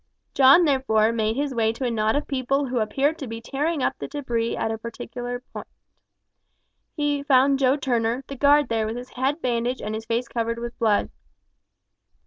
John, therefore, made his way to a knot of people who appeared to be tearing up the debris at a particular spot. He found Joe Turner, the guard, there, with his head bandaged and his face covered with blood.